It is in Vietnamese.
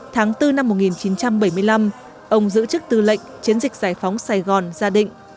tháng bốn năm một nghìn chín trăm bảy mươi năm ông giữ chức tư lệnh chiến dịch giải phóng sài gòn ra định